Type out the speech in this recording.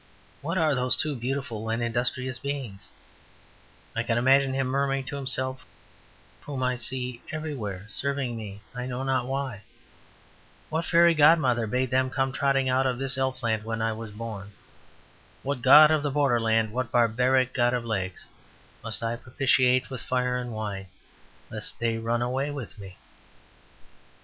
"What are those two beautiful and industrious beings," I can imagine him murmuring to himself, "whom I see everywhere, serving me I know not why? What fairy godmother bade them come trotting out of elfland when I was born? What god of the borderland, what barbaric god of legs, must I propitiate with fire and wine, lest they run away with me?"